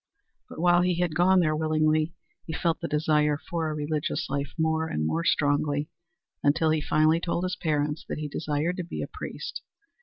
But while he had gone there willingly, he felt the desire for a religious life more and more strongly, until he finally told his parents that he desired to be a priest.